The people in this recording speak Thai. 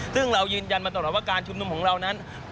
ซึ่งเรายืนยันมาตลอดว่าการชุมนุมของเรานั้น